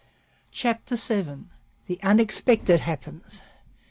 CHAPTER VII. THE UNEXPECTED HAPPENS.